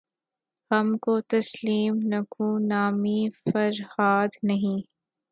ہم کو تسلیم نکو نامیِ فرہاد نہیں